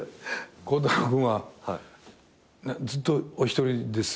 孝太郎君はずっとお一人ですよね。